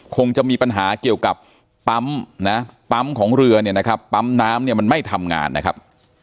คงจะมีปัญหาเกี่ยวกับปั๊มนะปั๊มของเรือเนี่ยนะครับปั๊มน้ำเนี่ยมันไม่ทำงานนะครับ